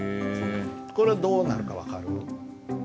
これどうなるか分かる？